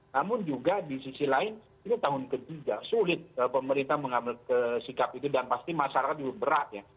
namun juga di sisi lain itu tahun ketiga sulit pemerintah mengambil sikap itu dan pasti masyarakat juga berat ya